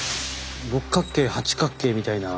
六角形八角形みたいな。